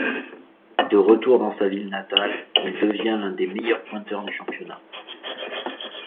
De retour dans sa ville natale, il devient l'un des meilleurs pointeurs du championnat.